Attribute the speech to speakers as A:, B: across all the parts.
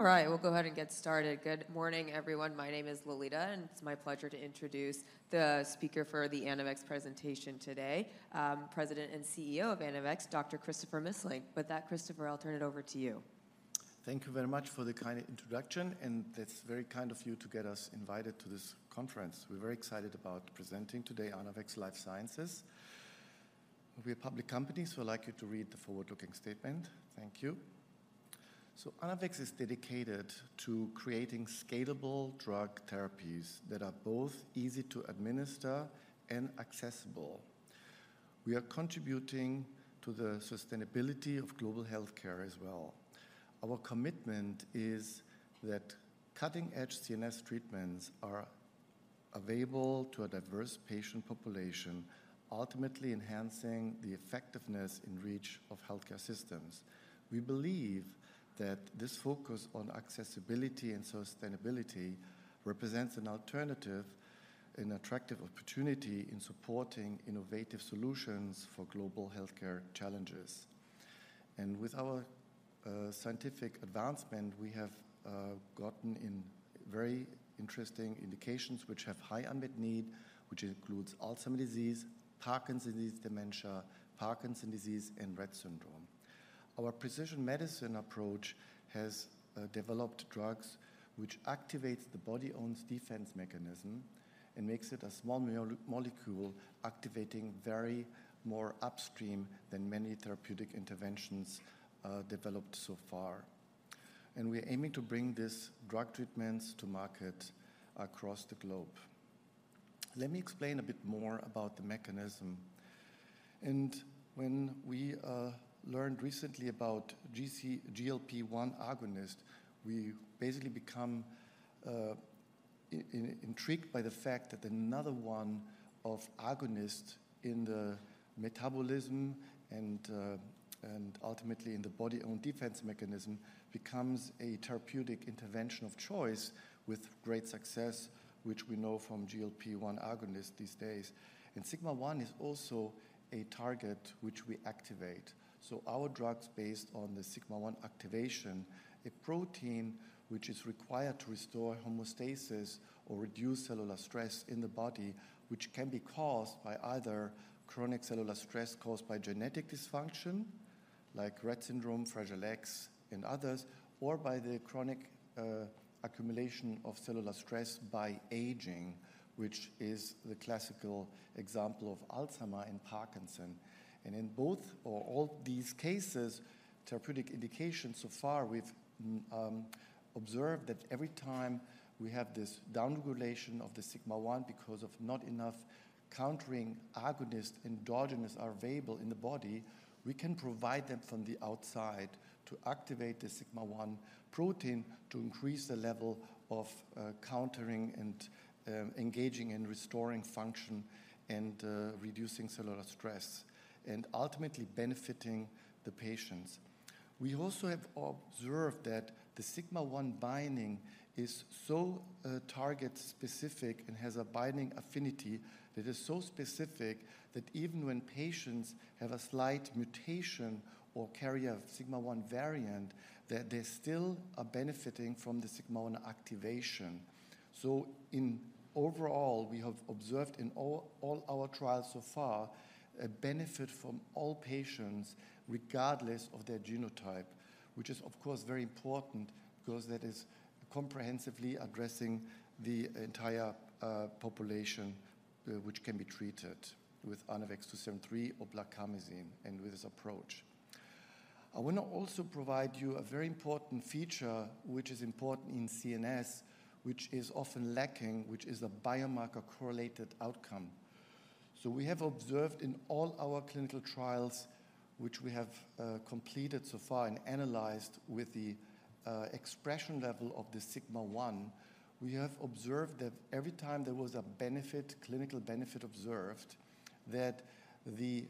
A: All right, we'll go ahead and get started. Good morning, everyone. My name is Lolita, and it's my pleasure to introduce the speaker for the Anavex presentation today, President and CEO of Anavex, Dr. Christopher Missling. With that, Christopher, I'll turn it over to you.
B: Thank you very much for the kind introduction, and that's very kind of you to get us invited to this conference. We're very excited about presenting today Anavex Life Sciences. We're a public company, so I'd like you to read the forward-looking statement. Thank you. So Anavex is dedicated to creating scalable drug therapies that are both easy to administer and accessible. We are contributing to the sustainability of global healthcare as well. Our commitment is that cutting-edge CNS treatments are available to a diverse patient population, ultimately enhancing the effectiveness and reach of healthcare systems. We believe that this focus on accessibility and sustainability represents an alternative, an attractive opportunity in supporting innovative solutions for global healthcare challenges. And with our scientific advancement, we have gotten in very interesting indications which have high unmet need, which includes Alzheimer's disease, Parkinson's disease, dementia, Parkinson's disease, and Rett syndrome. Our precision medicine approach has developed drugs which activates the body's own defense mechanism and makes it a small molecule, activating very more upstream than many therapeutic interventions developed so far. We are aiming to bring this drug treatments to market across the globe. Let me explain a bit more about the mechanism. When we learned recently about GLP-1 agonist, we basically become intrigued by the fact that another one of agonist in the metabolism and ultimately in the body's own defense mechanism, becomes a therapeutic intervention of choice with great success, which we know from GLP-1 agonist these days. Sigma-1 is also a target which we activate. So our drug's based on the sigma-1 activation, a protein which is required to restore homeostasis or reduce cellular stress in the body, which can be caused by either chronic cellular stress caused by genetic dysfunction, like Rett syndrome, Fragile X, and others, or by the chronic accumulation of cellular stress by aging, which is the classical example of Alzheimer's and Parkinson's. And in both or all these cases, therapeutic indications so far, we've observed that every time we have this downregulation of the sigma-1 because of not enough countering agonist endogenous are available in the body, we can provide them from the outside to activate the sigma-1 protein, to increase the level of countering and engaging and restoring function, and reducing cellular stress, and ultimately benefiting the patients. We also have observed that the sigma-1 binding is so target specific and has a binding affinity that is so specific that even when patients have a slight mutation or carry a sigma-1 variant, that they still are benefiting from the sigma-1 activation. So in overall, we have observed in all, all our trials so far, a benefit from all patients regardless of their genotype, which is, of course, very important because that is comprehensively addressing the entire population which can be treated with Anavex 2-73 or blarcamesine and with this approach. I want to also provide you a very important feature, which is important in CNS, which is often lacking, which is a biomarker correlated outcome. So we have observed in all our clinical trials, which we have completed so far and analyzed with the expression level of the sigma-1, we have observed that every time there was a benefit, clinical benefit observed, that the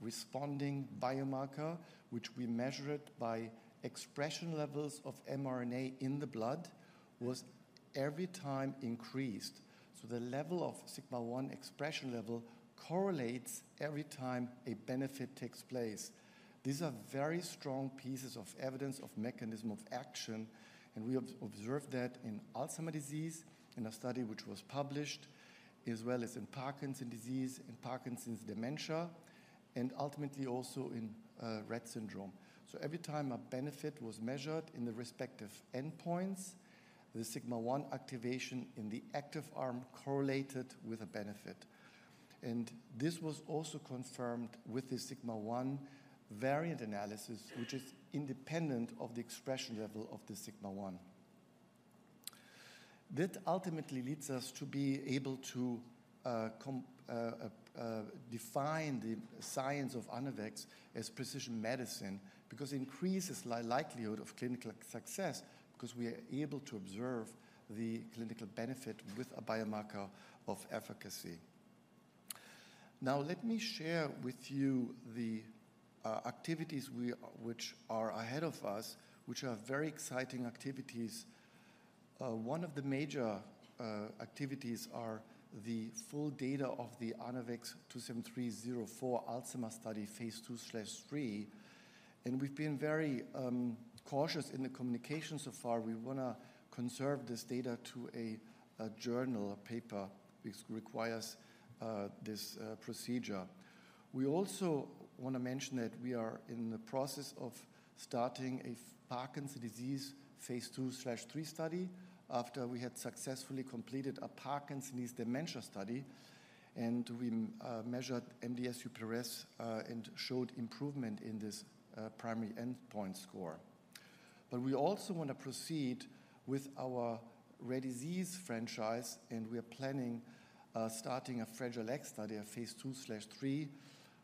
B: responding biomarker, which we measure it by expression levels of mRNA in the blood, was every time increased. So the level of sigma-1 expression level correlates every time a benefit takes place. These are very strong pieces of evidence of mechanism of action, and we observed that in Alzheimer's disease, in a study which was published, as well as in Parkinson's disease, in Parkinson's dementia, and ultimately also in Rett syndrome. So every time a benefit was measured in the respective endpoints, the sigma-1 activation in the active arm correlated with a benefit. This was also confirmed with the sigma-1 variant analysis, which is independent of the expression level of the sigma-1. That ultimately leads us to be able to define the science of Anavex as precision medicine, because it increases likelihood of clinical success, because we are able to observe the clinical benefit with a biomarker of efficacy. Now, let me share with you the activities which are ahead of us, which are very exciting activities. One of the major activities are the full data of the Anavex 2-73-004 Alzheimer's study, phase II/III, and we've been very cautious in the communication so far. We wanna conserve this data to a journal, a paper, which requires this procedure. We also wanna mention that we are in the process of starting a Parkinson's disease phase II/III study after we had successfully completed a Parkinson's disease dementia study, and we measured MDS-UPDRS and showed improvement in this primary endpoint score. But we also want to proceed with our rare disease franchise, and we are planning starting a Fragile X study, a phase II/III,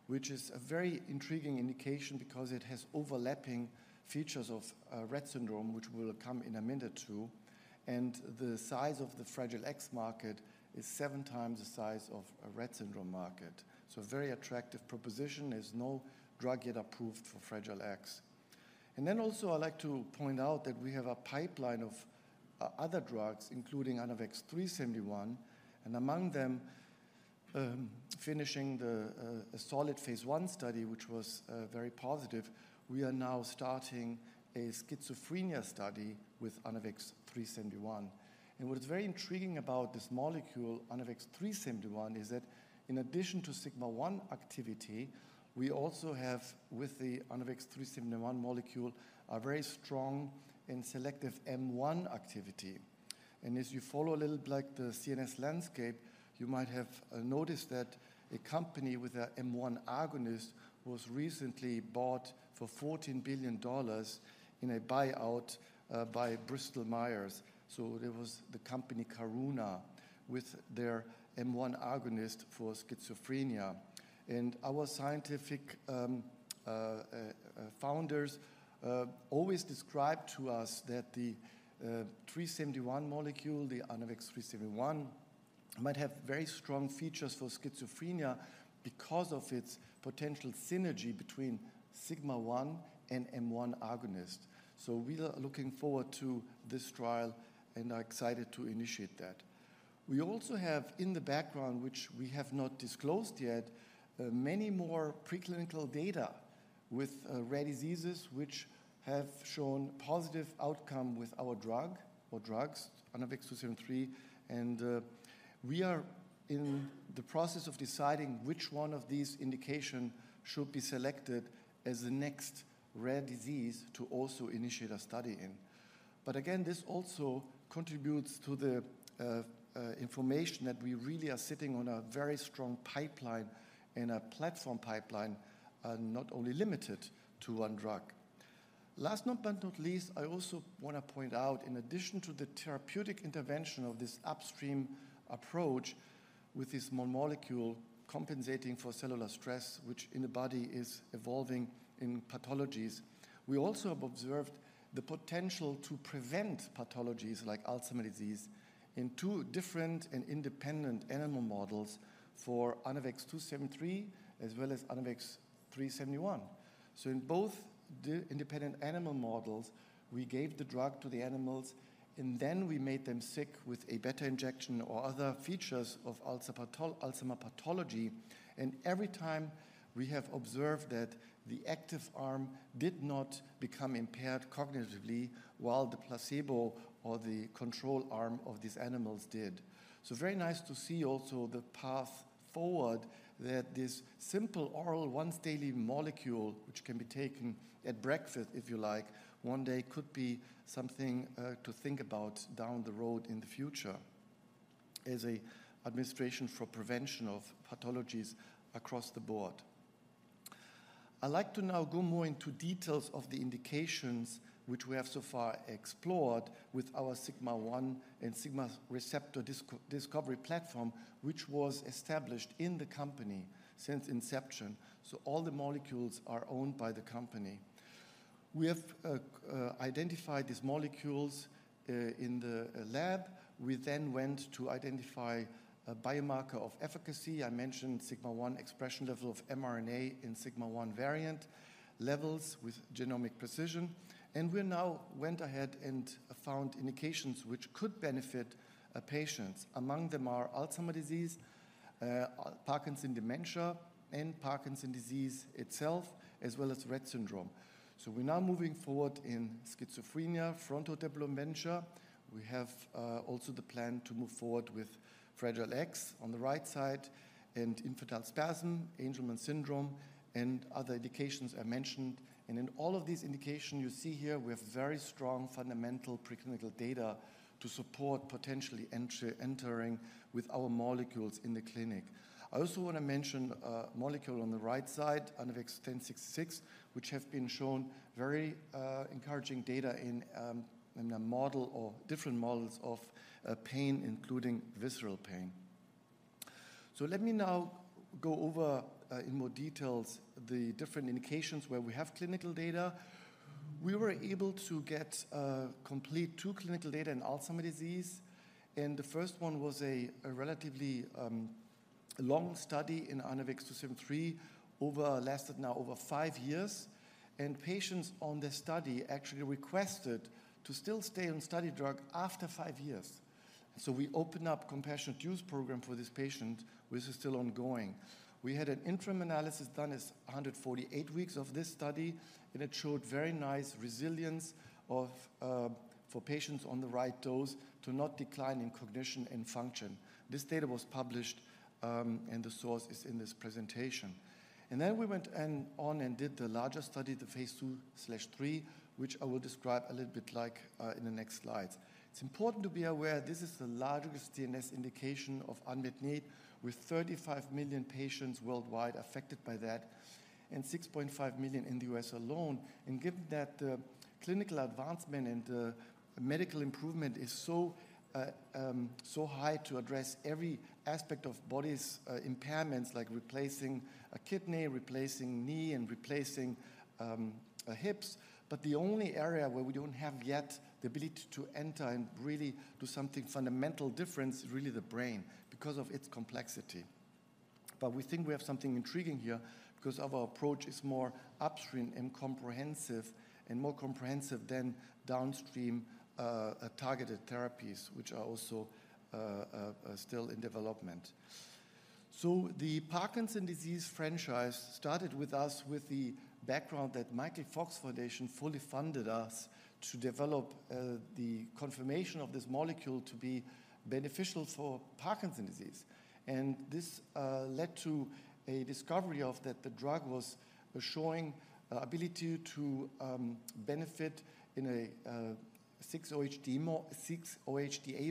B: which is a very intriguing indication because it has overlapping features of Rett syndrome, which we'll come in a minute to, and the size of the Fragile X market is seven times the size of a Rett syndrome market. So a very attractive proposition. There's no drug yet approved for Fragile X. Then also, I'd like to point out that we have a pipeline of other drugs, including Anavex 3-71, and among them, finishing a solid phase I study, which was very positive. We are now starting a schizophrenia study with Anavex 3-71. And what is very intriguing about this molecule, Anavex 3-71, is that in addition to sigma-1 activity, we also have, with the Anavex 3-71 molecule, a very strong and selective M1 activity. And as you follow a little bit like the CNS landscape, you might have noticed that a company with a M1 agonist was recently bought for $14 billion in a buyout by Bristol Myers Squibb. So it was the company Karuna with their M1 agonist for schizophrenia. And our scientific founders always described to us that the 3-71 molecule, the ANAVEX® 3-71, might have very strong features for schizophrenia because of its potential synergy between sigma-1 and M1 agonist. So we are looking forward to this trial and are excited to initiate that. We also have in the background, which we have not disclosed yet, many more preclinical data with rare diseases which have shown positive outcome with our drug or drugs, ANAVEX® 2-73, and we are in the process of deciding which one of these indication should be selected as the next rare disease to also initiate a study in. But again, this also contributes to the information that we really are sitting on a very strong pipeline and a platform pipeline, not only limited to one drug. Last but not least, I also wanna point out, in addition to the therapeutic intervention of this upstream approach with this small molecule compensating for cellular stress, which in the body is evolving in pathologies, we also have observed the potential to prevent pathologies like Alzheimer's disease in two different and independent animal models for Anavex 2-73, as well as Anavex 3-71. So in both the independent animal models, we gave the drug to the animals, and then we made them sick with A-beta injection or other features of Alzheimer pathology, and every time we have observed that the active arm did not become impaired cognitively, while the placebo or the control arm of these animals did. So very nice to see also the path forward, that this simple oral once-daily molecule, which can be taken at breakfast if you like, one day could be something to think about down the road in the future as a administration for prevention of pathologies across the board. I'd like to now go more into details of the indications which we have so far explored with our sigma-1 and sigma receptor discovery platform, which was established in the company since inception. So all the molecules are owned by the company. We have identified these molecules in the lab. We then went to identify a biomarker of efficacy. I mentioned sigma-1 expression level of mRNA in sigma-1 variant levels with genomic precision, and we now went ahead and found indications which could benefit patients. Among them are Alzheimer's disease, Parkinson dementia, and Parkinson disease itself, as well as Rett syndrome. So we're now moving forward in schizophrenia, frontotemporal dementia. We have also the plan to move forward with Fragile X on the right side and infantile spasm, Angelman syndrome, and other indications I mentioned. And in all of these indications you see here, we have very strong fundamental preclinical data to support potentially entering with our molecules in the clinic. I also want to mention a molecule on the right side, Anavex 10-66, which have been shown very encouraging data in a model or different models of pain, including visceral pain. So let me now go over in more details the different indications where we have clinical data. We were able to get complete two clinical data in Alzheimer's disease, and the first one was a relatively a long study in ANAVEX 2-73 that lasted now over five years, and patients on this study actually requested to still stay on study drug after five years. So we opened up compassionate use program for this patient, which is still ongoing. We had an interim analysis done at 148 weeks of this study, and it showed very nice resilience of for patients on the right dose to not decline in cognition and function. This data was published, and the source is in this presentation. Then we went on and did the larger study, the phase II/III, which I will describe a little bit like in the next slides. It's important to be aware this is the largest CNS indication of unmet need, with 35 million patients worldwide affected by that and 6.5 million in the U.S. alone. And given that, clinical advancement and medical improvement is so high to address every aspect of body's impairments, like replacing a kidney, replacing knee, and replacing hips. But the only area where we don't have yet the ability to enter and really do something fundamental difference is really the brain because of its complexity. But we think we have something intriguing here because of our approach is more upstream and comprehensive, and more comprehensive than downstream targeted therapies, which are also still in development. So the Parkinson's disease franchise started with us with the background that Michael J. Fox Foundation fully funded us to develop the confirmation of this molecule to be beneficial for Parkinson's disease. And this led to a discovery of that the drug was showing ability to benefit in a 6-OHDA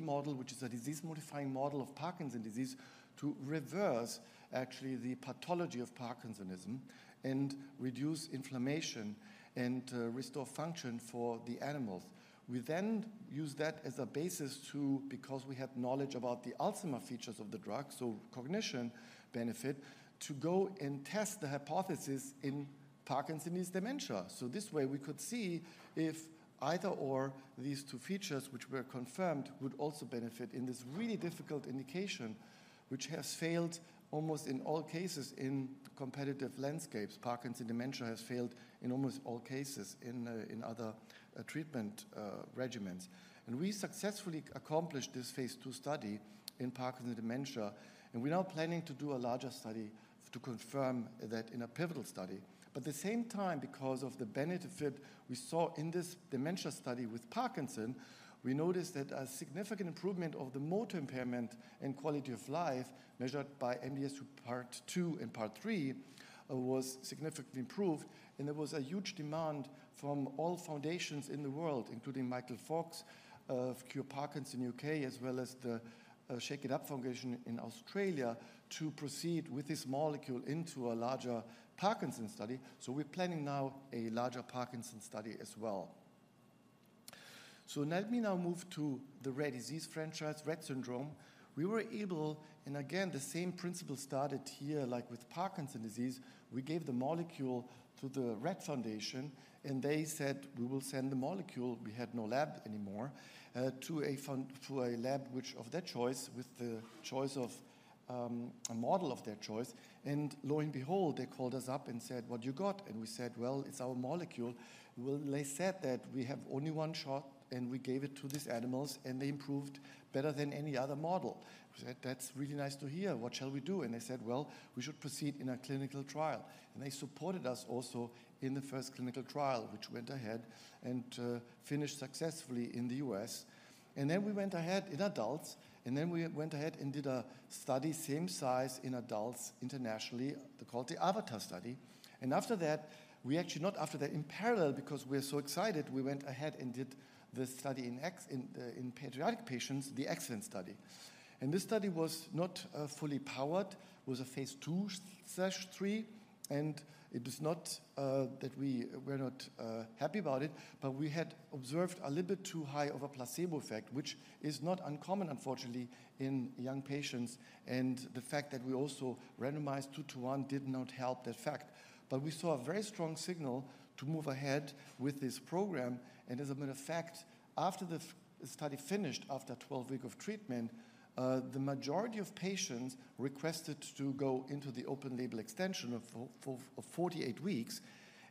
B: model, which is a disease-modifying model of Parkinson's disease, to reverse actually the pathology of Parkinsonism and reduce inflammation and restore function for the animals. We then used that as a basis to, because we had knowledge about the Alzheimer's features of the drug, so cognition benefit, to go and test the hypothesis in Parkinson's dementia. So this way, we could see if either or these two features, which were confirmed, would also benefit in this really difficult indication, which has failed almost in all cases in competitive landscapes. Parkinson's dementia has failed in almost all cases in other treatment regimens. We successfully accomplished this phase II study in Parkinson dementia, and we're now planning to do a larger study to confirm that in a pivotal study. But at the same time, because of the benefit we saw in this dementia study with Parkinson, we noticed that a significant improvement of the motor impairment and quality of life, measured by MDS Part II and part III, was significantly improved. And there was a huge demand from all foundations in the world, including Michael Fox, Cure Parkinson's U.K., as well as the, Shake It Up Foundation in Australia, to proceed with this molecule into a larger Parkinson's study. So we're planning now a larger Parkinson's study as well. So let me now move to the rare disease franchise, Rett syndrome. We were able... And again, the same principle started here, like with Parkinson's disease. We gave the molecule to the Rett Foundation, and they said, "We will send the molecule." We had no lab anymore to a lab of their choice, with the choice of a model of their choice. And lo and behold, they called us up and said, "What you got?" And we said, "Well, it's our molecule." Well, they said that, "We have only one shot, and we gave it to these animals, and they improved better than any other model." We said, "That's really nice to hear. What shall we do?" And they said, "Well, we should proceed in a clinical trial." And they supported us also in the first clinical trial, which went ahead and finished successfully in the U.S. And then we went ahead in adults, and then we went ahead and did a study, same size in adults internationally, they called the AVATAR study. And after that, we actually not after that, in parallel, because we're so excited, we went ahead and did the study in in pediatric patients, the EXCELLENCE study. And this study was not fully powered, was a phase II/III, and it is not that we were not happy about it, but we had observed a little bit too high of a placebo effect, which is not uncommon, unfortunately, in young patients. And the fact that we also randomized two to one did not help that fact. But we saw a very strong signal to move ahead with this program, and as a matter of fact, after the AVATAR study finished, after 12 weeks of treatment, the majority of patients requested to go into the open-label extension for 48 weeks.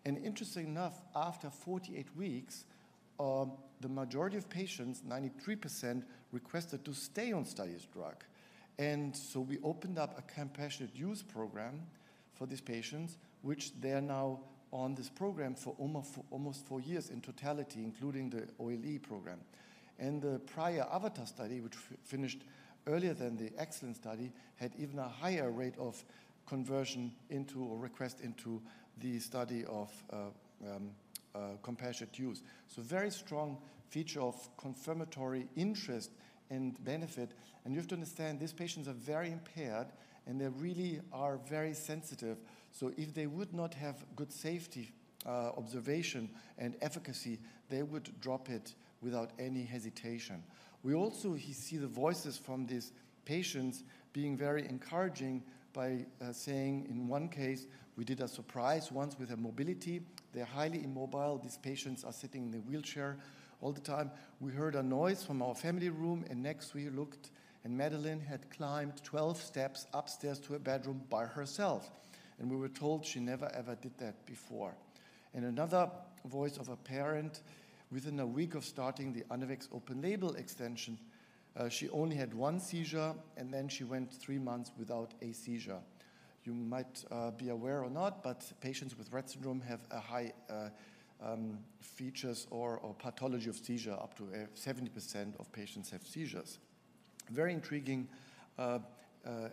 B: And interestingly enough, after 48 weeks, the majority of patients, 93%, requested to stay on study's drug. And so we opened up a compassionate use program for these patients, which they are now on this program for almost four years in totality, including the OLE program. And the prior AVATAR study, which finished earlier than the EXCELLENCE study, had even a higher rate of conversion into or request into the study of compassionate use. So very strong feature of confirmatory interest and benefit, and you have to understand, these patients are very impaired, and they really are very sensitive. So if they would not have good safety, observation and efficacy, they would drop it without any hesitation. We also hear the voices from these patients being very encouraging by saying, in one case, we did a surprise once with a mobility. They're highly immobile. These patients are sitting in the wheelchair all the time. "We heard a noise from our family room, and next we looked... and Madeline had climbed 12 steps upstairs to her bedroom by herself, and we were told she never, ever did that before." And another voice of a parent: Within a week of starting the Anavex open label extension, she only had one seizure, and then she went three months without a seizure. You might be aware or not, but patients with Rett syndrome have a high features or pathology of seizure. Up to 70% of patients have seizures. Very intriguing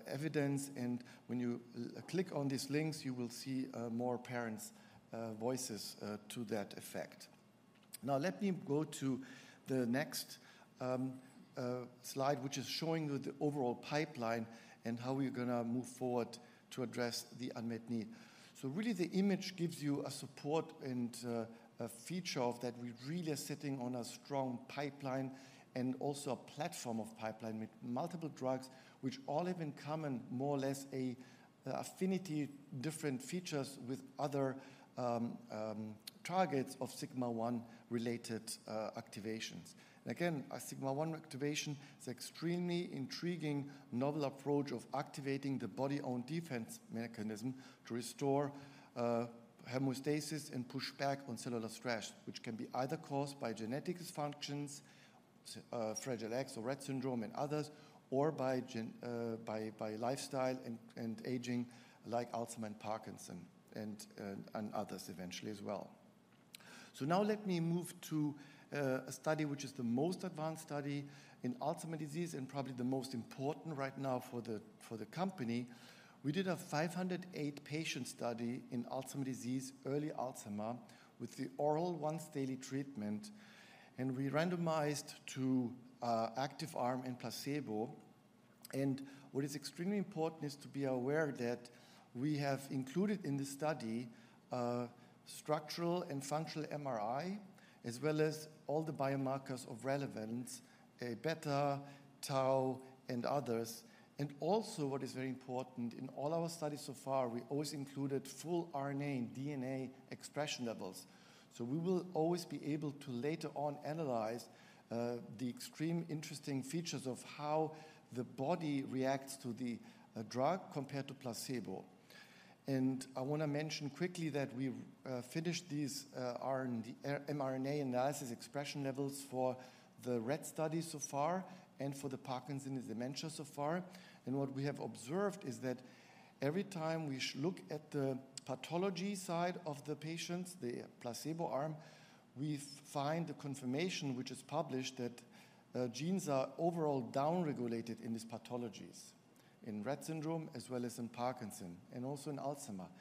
B: evidence, and when you click on these links, you will see more parents' voices to that effect. Now, let me go to the next slide, which is showing you the overall pipeline and how we're gonna move forward to address the unmet need. So really the image gives you a support and a feature of that we really are sitting on a strong pipeline and also a platform of pipeline with multiple drugs, which all have in common, more or less a affinity, different features with other targets of sigma-1 related activations. Again, a sigma-1 activation is extremely intriguing, novel approach of activating the body's own defense mechanism to restore homeostasis and push back on cellular stress, which can be either caused by genetic dysfunctions, fragile X or Rett syndrome and others, or by lifestyle and aging, like Alzheimer's, Parkinson's, and others eventually as well. So now let me move to a study which is the most advanced study in Alzheimer's disease and probably the most important right now for the, for the company. We did a 508-patient study in Alzheimer's disease, early Alzheimer's, with the oral once daily treatment, and we randomized to active arm and placebo. What is extremely important is to be aware that we have included in this study, structural and functional MRI, as well as all the biomarkers of relevance, A-beta, tau, and others. What is very important in all our studies so far, we always included full RNA and DNA expression levels. So we will always be able to later on analyze the extreme interesting features of how the body reacts to the drug compared to placebo. I wanna mention quickly that we've finished these RNA and DNA mRNA analysis expression levels for the Rett study so far and for the Parkinson's dementia so far. What we have observed is that every time we look at the pathology side of the patients, the placebo arm, we find the confirmation, which is published, that genes are overall downregulated in these pathologies, in Rett syndrome, as well as in Parkinson's and also in Alzheimer's.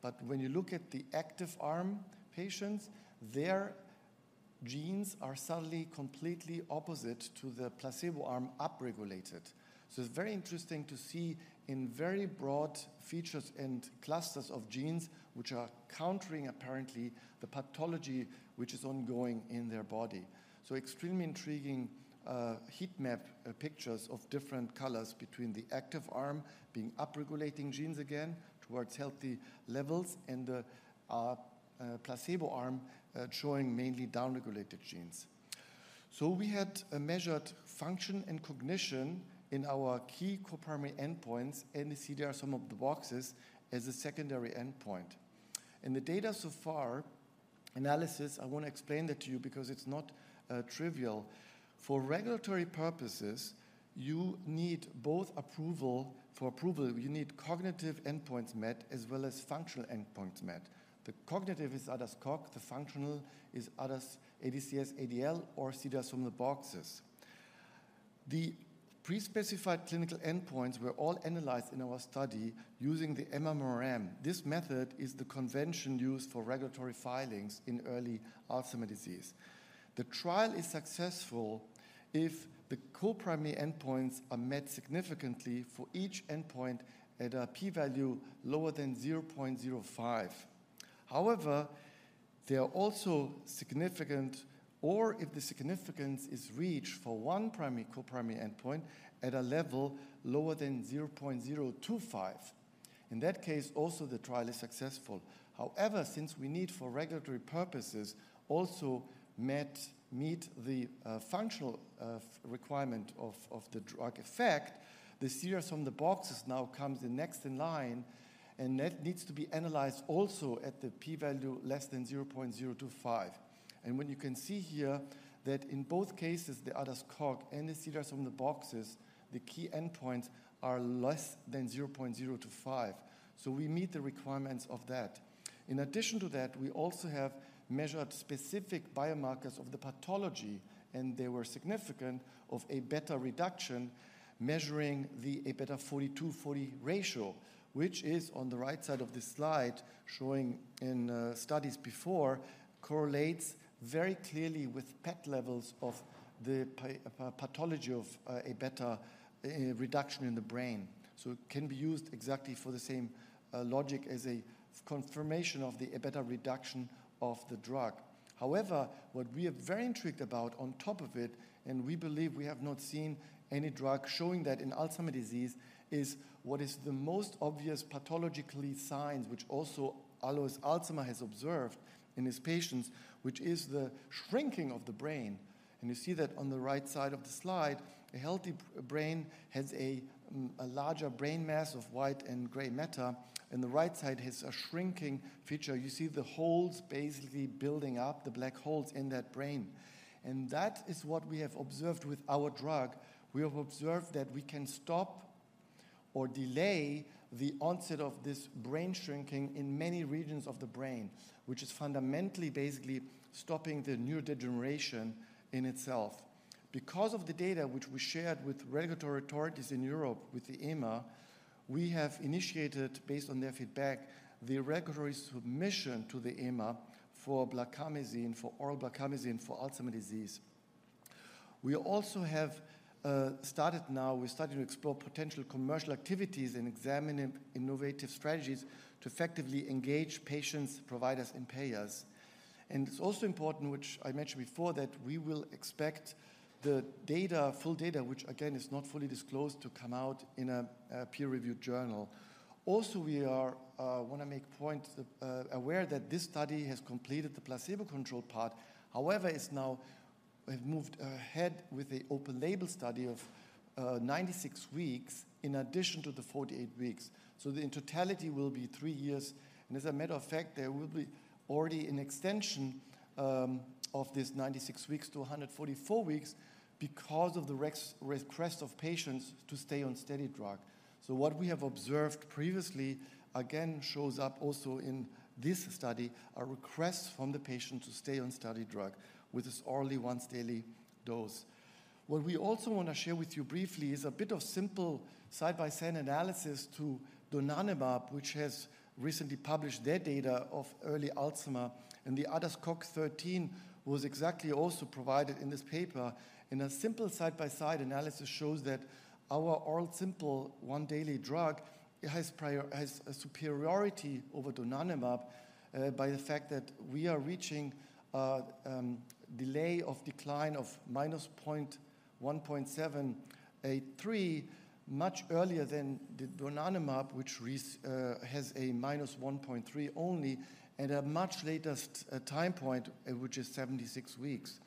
B: But when you look at the active arm patients, their genes are suddenly completely opposite to the placebo arm, upregulated. So it's very interesting to see in very broad features and clusters of genes, which are countering, apparently, the pathology which is ongoing in their body. So extremely intriguing heat map pictures of different colors between the active arm being upregulating genes again towards healthy levels and the placebo arm showing mainly downregulated genes. So we had measured function and cognition in our key co-primary endpoints, and you see there are some of the boxes as a secondary endpoint. And the data so far, analysis, I want to explain that to you because it's not trivial. For regulatory purposes, you need both approval—for approval, you need cognitive endpoints met as well as functional endpoints met. The cognitive is ADAS-Cog, the functional is ADCS-ADL or CDR-SB from the boxes. The pre-specified clinical endpoints were all analyzed in our study using the MMRM. This method is the convention used for regulatory filings in early Alzheimer's disease. The trial is successful if the co-primary endpoints are met significantly for each endpoint at a p-value lower than 0.05. However, they are also significant, or if the significance is reached for one primary, co-primary endpoint at a level lower than 0.025. In that case, also the trial is successful. However, since we need for regulatory purposes, also meet the functional requirement of the drug effect, the CDR-SB now comes the next in line, and that needs to be analyzed also at the p-value less than 0.025. And when you can see here that in both cases, the ADAS-Cog and the CDR-SB, the key endpoints are less than 0.025. So we meet the requirements of that. In addition to that, we also have measured specific biomarkers of the pathology, and they were significant of a beta reduction, measuring the A-beta 42/40 ratio, which is on the right side of this slide, showing in studies before, correlates very clearly with PET levels of the pathology of A-beta reduction in the brain. So it can be used exactly for the same logic as a confirmation of the A-beta reduction of the drug. However, what we are very intrigued about on top of it, and we believe we have not seen any drug showing that in Alzheimer's disease, is what is the most obvious pathologically signs, which also Alois Alzheimer has observed in his patients, which is the shrinking of the brain. You see that on the right side of the slide, a healthy brain has a larger brain mass of white and gray matter, and the right side has a shrinking feature. You see the holes basically building up, the black holes in that brain, and that is what we have observed with our drug. We have observed that we can stop or delay the onset of this brain shrinking in many regions of the brain, which is fundamentally basically stopping the neurodegeneration in itself. Because of the data which we shared with regulatory authorities in Europe, with the EMA, we have initiated, based on their feedback, the regulatory submission to the EMA for blarcamesine, for oral blarcamesine, for Alzheimer's disease. We also have started to explore potential commercial activities and examine innovative strategies to effectively engage patients, providers, and payers. It's also important, which I mentioned before, that we will expect the data, full data, which again is not fully disclosed, to come out in a peer-reviewed journal. Also, we want to make aware that this study has completed the placebo-controlled part. However, it's now we've moved ahead with the open label study of 96 weeks in addition to the 48 weeks. So in totality will be three years, and as a matter of fact, there will be already an extension of this 96 weeks to 144 weeks because of the request of patients to stay on study drug. So what we have observed previously, again, shows up also in this study, a request from the patient to stay on study drug with this orally once daily dose. What we also wanna share with you briefly is a bit of simple side-by-side analysis to donanemab, which has recently published their data of early Alzheimer's, and the ADAS-Cog13 was exactly also provided in this paper. In a simple side-by-side analysis shows that our oral simple one daily drug has a superiority over donanemab by the fact that we are reaching delay of decline of -0.1783, much earlier than the donanemab, which has a -1.3 only at a much later time point, which is 76 weeks.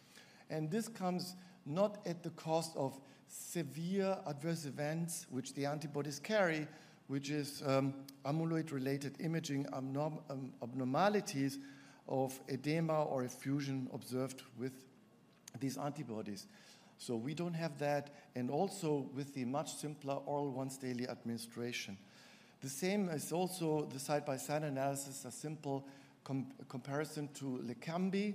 B: And this comes not at the cost of severe adverse events, which the antibodies carry, which is amyloid-related imaging abnormalities of edema or effusion observed with these antibodies. So we don't have that, and also with the much simpler oral once daily administration. The same is also the side-by-side analysis, a simple comparison to lecanemab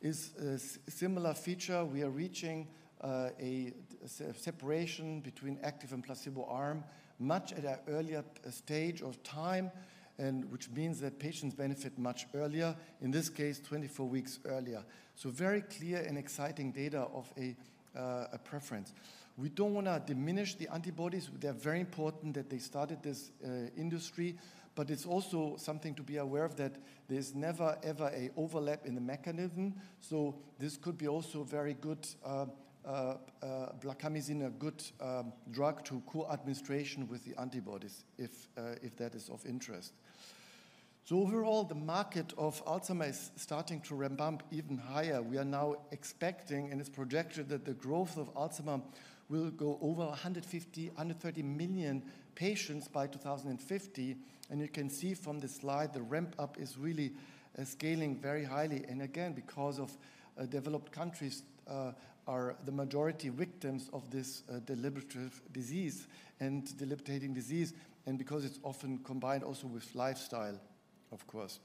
B: is a similar feature. We are reaching a separation between active and placebo arm much at an earlier stage of time, and which means that patients benefit much earlier, in this case, 24 weeks earlier. So very clear and exciting data of a preference. We don't wanna diminish the antibodies. They're very important that they started this industry, but it's also something to be aware of that there's never, ever a overlap in the mechanism. So this could be also very good, blarcamesine, a good drug to co-administration with the antibodies if that is of interest. So overall, the market of Alzheimer's starting to ramp up even higher. We are now expecting, and it's projected, that the growth of Alzheimer's will go over 130 million patients by 2050. You can see from this slide, the ramp up is really scaling very highly, and again, because of developed countries are the majority victims of this debilitating disease and degenerative disease, and because it's often combined also with lifestyle, of course.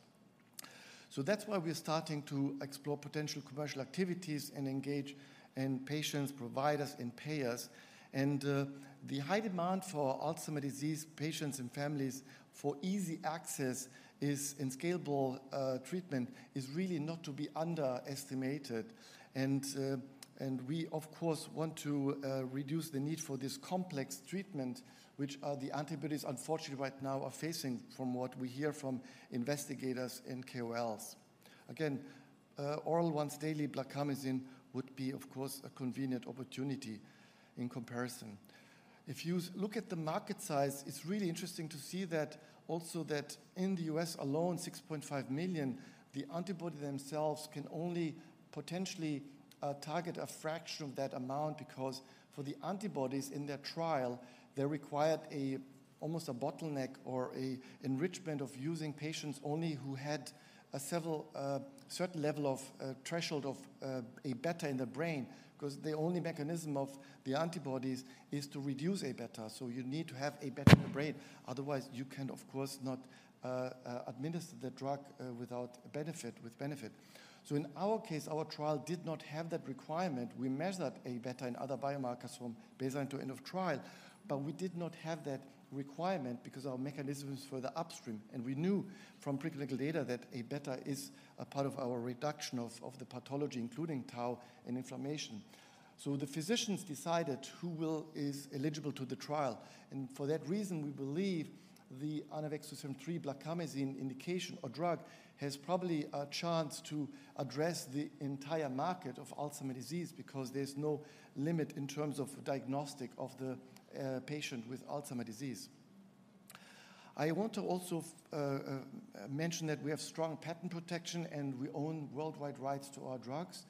B: So that's why we're starting to explore potential commercial activities and engage in patients, providers, and payers. The high demand for Alzheimer's disease patients and families for easy access is in scalable treatment is really not to be underestimated. And we, of course, want to reduce the need for this complex treatment, which are the antibodies unfortunately, right now are facing from what we hear from investigators and KOLs. Again, oral once daily blarcamesine would be, of course, a convenient opportunity in comparison. If you look at the market size, it's really interesting to see that also that in the U.S. alone, 6.5 million, the antibody themselves can only potentially target a fraction of that amount because for the antibodies in their trial, they required almost a bottleneck or a enrichment of using patients only who had several certain level of threshold of A-beta in the brain. 'Cause the only mechanism of the antibodies is to reduce A-beta, so you need to have A-beta in the brain, otherwise, you can, of course, not administer the drug without benefit, with benefit. So in our case, our trial did not have that requirement. We measured A-beta and other biomarkers from baseline to end of trial, but we did not have that requirement because our mechanism is for the upstream, and we knew from preclinical data that A-beta is a part of our reduction of the pathology, including tau and inflammation. So the physicians decided who is eligible to the trial. And for that reason, we believe the Anavex 2-73 blarcamesine indication or drug has probably a chance to address the entire market of Alzheimer's disease, because there's no limit in terms of diagnostic of the patient with Alzheimer's disease. I want to also mention that we have strong patent protection, and we own worldwide rights to our drugs.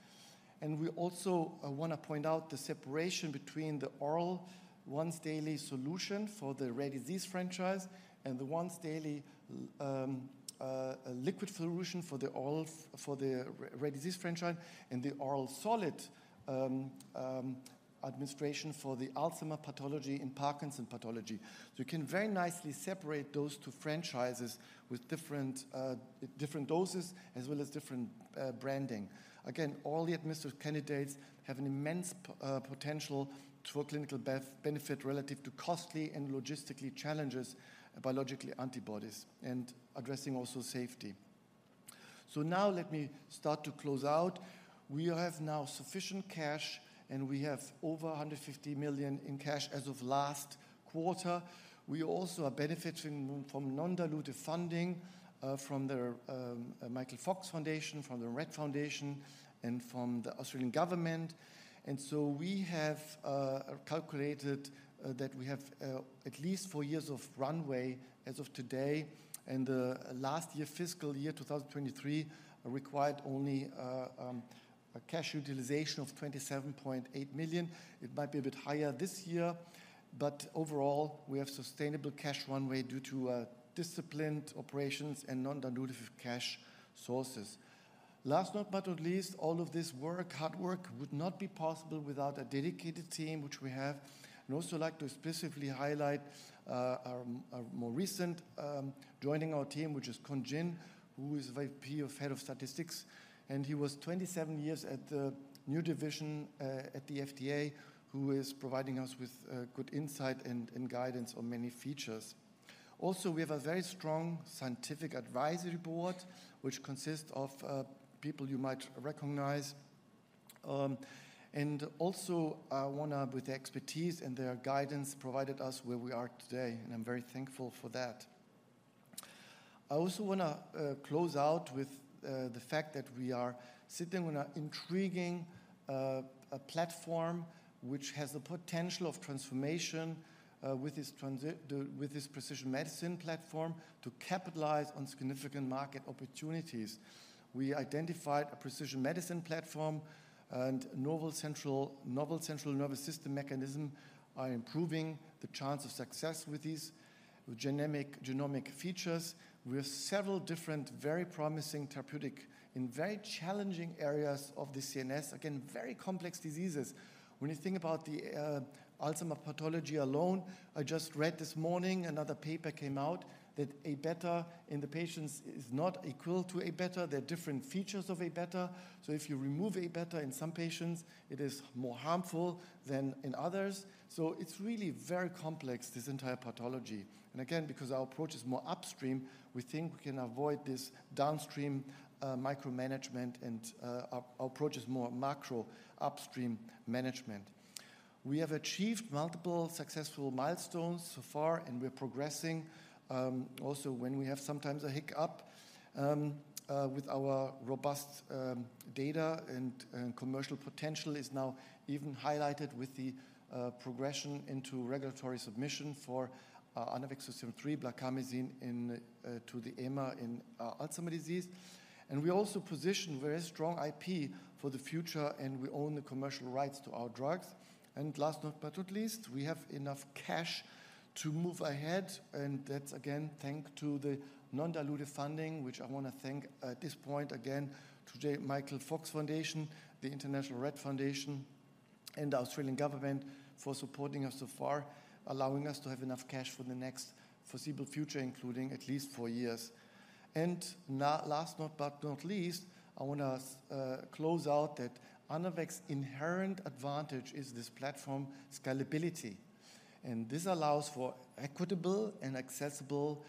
B: We also wanna point out the separation between the oral once-daily solution for the rare disease franchise and the once-daily liquid solution for the rare disease franchise and the oral solid administration for the Alzheimer pathology and Parkinson pathology. So we can very nicely separate those two franchises with different doses as well as different branding. Again, all the administrative candidates have an immense potential to a clinical benefit relative to costly and logistically challenges biologically antibodies and addressing also safety. So now let me start to close out. We have now sufficient cash, and we have over $150 million in cash as of last quarter. We also are benefiting from non-dilutive funding from the Michael Fox Foundation, from the Rett Foundation, and from the Australian government and so we have calculated that we have at least four years of runway as of today, and last year, fiscal year 2023, required only a cash utilization of $27.8 million. It might be a bit higher this year, but overall, we have sustainable cash runway due to disciplined operations and non-dilutive cash sources. Last but not least, all of this work, hard work, would not be possible without a dedicated team, which we have. I'd also like to specifically highlight our more recent joining our team, which is Kun Jin, who is VP of Head of Statistics, and he was 27 years at the neuro division at the FDA, who is providing us with good insight and guidance on many features. Also, we have a very strong scientific advisory board, which consists of people you might recognize. With their expertise and their guidance, provided us where we are today, and I'm very thankful for that. I also wanna close out with the fact that we are sitting on an intriguing platform, which has the potential of transformation with this precision medicine platform to capitalize on significant market opportunities. We identified a precision medicine platform and novel central, novel central nervous system mechanism are improving the chance of success with these genomic, genomic features. We have several different, very promising therapeutic in very challenging areas of the CNS. Again, very complex diseases. When you think about the Alzheimer's pathology alone, I just read this morning, another paper came out that A-beta in the patients is not equal to A-beta. There are different features of A-beta. So if you remove A-beta in some patients, it is more harmful than in others. So it's really very complex, this entire pathology. And again, because our approach is more upstream, we think we can avoid this downstream micromanagement, and our approach is more macro upstream management. We have achieved multiple successful milestones so far, and we're progressing. Also, when we have sometimes a hiccup with our robust data and commercial potential is now even highlighted with the progression into regulatory submission for Anavex 2-73 blarcamesine in to the EMA in Alzheimer's disease. We also position very strong IP for the future, and we own the commercial rights to our drugs. Last but not least, we have enough cash to move ahead, and that's again, thanks to the non-dilutive funding, which I wanna thank at this point again to the Michael J. Fox Foundation, the International Rett Syndrome Foundation, and the Australian government for supporting us so far, allowing us to have enough cash for the next foreseeable future, including at least four years. Last but not least, I wanna close out that Anavex inherent advantage is this platform scalability, and this allows for equitable and accessible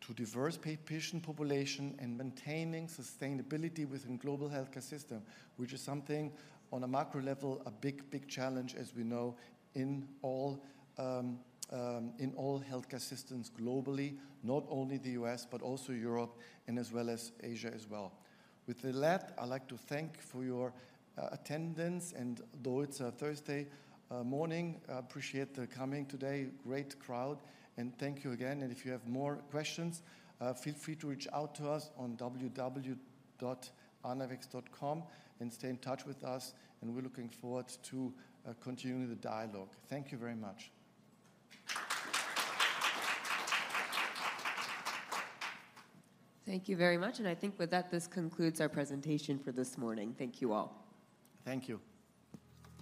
B: to diverse patient population and maintaining sustainability within global healthcare system, which is something on a macro level, a big, big challenge, as we know, in all healthcare systems globally, not only the U.S., but also Europe and as well as Asia as well. With that, I'd like to thank for your attendance, and though it's a Thursday morning, I appreciate the coming today. Great crowd, and thank you again. And if you have more questions, feel free to reach out to us on www.anavex.com and stay in touch with us, and we're looking forward to continuing the dialogue. Thank you very much.
A: Thank you very much, and I think with that, this concludes our presentation for this morning. Thank you all.
B: Thank you.